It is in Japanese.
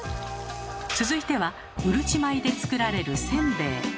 続いてはうるち米で作られるせんべい。